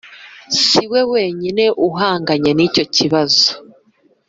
si we wenyine uhanganye n’icyo kibazo